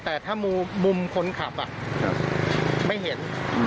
แต่ถ้ามุมคนขับไม่เห็น